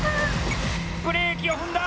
ブレーキを踏んだ！